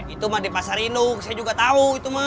itu mah di pasar induk saya juga tahu itu mah